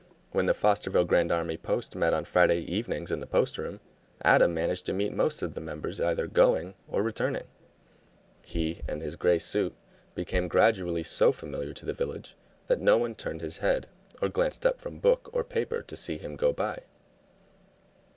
When the Fosterville Grand Army Post met on Friday evenings in the post room, Adam managed to meet most of the members either going or returning. He and his gray suit became gradually so familiar to the village that no one turned his head or glanced up from book or paper to see him go by.